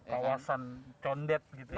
kawasan condet gitu ya